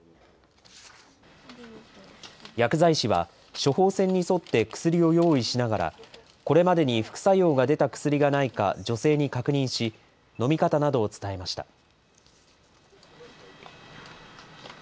薬剤師は、処方箋に沿って薬を用意しながら、これまでに副作用が出た薬がないか女性に確認し、飲み方などを伝えました。